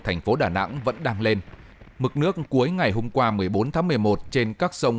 thành phố đà nẵng vẫn đang lên mực nước cuối ngày hôm qua một mươi bốn tháng một mươi một trên các sông